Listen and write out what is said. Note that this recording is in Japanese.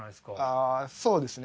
あそうですね。